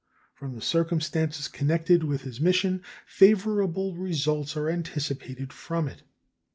From the circumstances connected with his mission favorable results are anticipated from it.